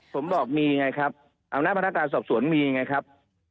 ผมบอกมียังไงครับอาวุธนาประนักศาสตร์สอบสวนมียังไงครับ